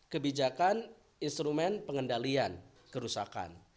kebijakan instrumen pengendalian kerusakan